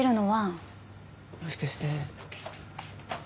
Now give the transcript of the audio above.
もしかして浮気？